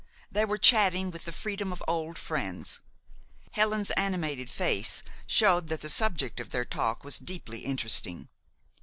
They were chatting with the freedom of old friends. Helen's animated face showed that the subject of their talk was deeply interesting.